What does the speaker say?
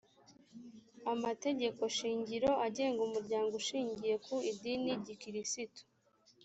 amategeko shingiro agenga umuryango ushingiye ku idini gikiristu